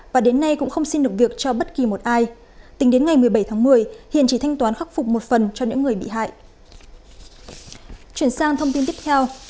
và đến nay cũng không xin được việc cho bất kỳ một ai tính đến ngày một mươi bảy tháng một mươi hiện chỉ thanh toán khắc phục một phần cho những người bị hại